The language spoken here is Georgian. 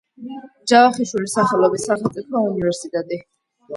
ჯავახიშვილის სახელობის სახელმწიფო უნივერსიტეტი.